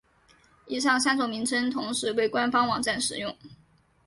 以上三种名称同时被官方网站使用。